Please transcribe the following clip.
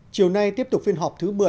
chiều nay tiếp tục phiên họp thứ một mươi